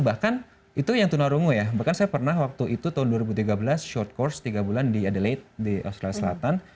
bahkan itu yang tunarungu ya bahkan saya pernah waktu itu tahun dua ribu tiga belas short course tiga bulan di adelaide di australia selatan